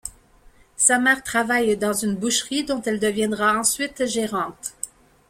Sa mère travaille dans une boucherie dont elle deviendra ensuite gérante.